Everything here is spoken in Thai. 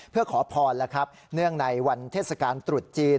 เพื่อขอพรแล้วครับเนื่องในวันเทศกาลตรุษจีน